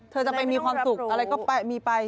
เธอจะไปมีความสุขอะไรก็มีไป